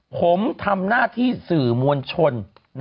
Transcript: ผมทำหน้าที่สื่อมวลชน